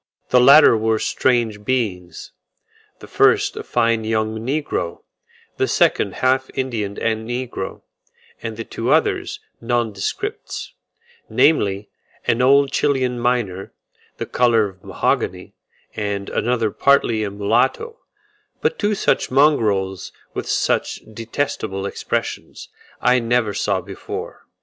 The latter were strange beings; the first a fine young negro; the second half Indian and negro; and the two others non descripts; namely, an old Chilian miner, the colour of mahogany, and another partly a mulatto; but two such mongrels with such detestable expressions, I never saw before.